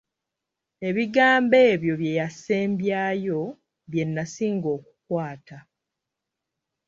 Ebigambo ebyo bye yasembyayo bye nnasinga okukwata.